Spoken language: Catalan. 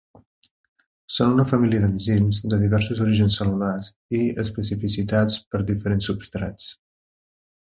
Són una família d'enzims de diversos orígens cel·lulars i especificitats per diferents substrats.